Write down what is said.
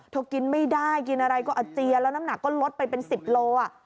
กินไม่ได้กินอะไรก็อาเจียนแล้วน้ำหนักก็ลดไปเป็น๑๐โล